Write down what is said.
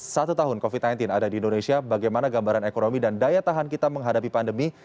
satu tahun covid sembilan belas ada di indonesia bagaimana gambaran ekonomi dan daya tahan kita menghadapi pandemi